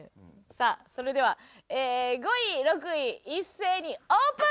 さあそれでは５位６位一斉にオープン！